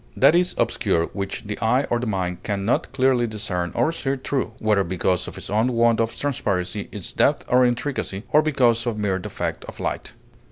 That is obscure which the eye or the mind can not clearly discern or see through, whether because of its own want of transparency, its depth or intricacy, or because of mere defect of light.